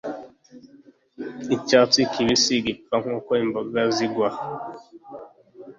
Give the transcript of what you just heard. Icyatsi kibisi gipfa nkuko impongo zigwa